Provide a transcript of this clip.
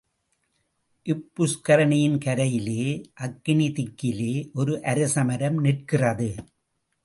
இப்புஷ்கரிணியின் கரையிலே அக்கினிதிக்கிலே ஒரு அரசமரம் நிற்கிறது.